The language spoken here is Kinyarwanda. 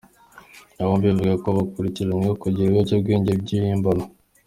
Aba bombi bivugwa ko bakurikiranyweho kugira ibyangombwa by’ibihimbano.